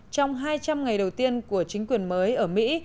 trong hai trăm linh ngày đầu tiên của chính quyền mới ở mỹ